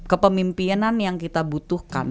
kepemimpinan yang kita butuhkan